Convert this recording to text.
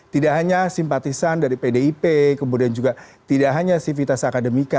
tidak hanya simpatisan dari pdip kemudian juga tidak hanya sivitas akademika